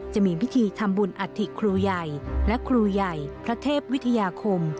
จะมีพิธีทำบุญอัฐิครูใหญ่และครูใหญ่พระเทพวิทยาคม